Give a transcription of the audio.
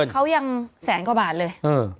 เขายังแสนกว่าบาทเลย